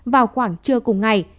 vào khoảng trưa cùng ngày